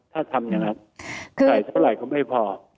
ถ้าทำอย่างนั้นใส่สักเท่าไหร่ก็ไม่พอ